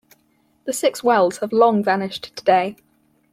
The six wells have long vanished today.